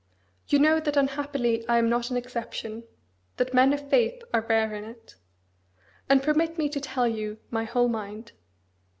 You know that unhappily I am not an exception: that men of faith are rare in it. And permit me to tell you my whole mind.